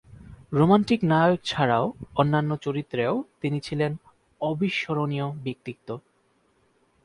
Romantic নায়ক ছাড়াও অন্যান্য চরিত্রেও তিনি ছিলেন অবিস্মরণীয় ব্যক্তিত্ব।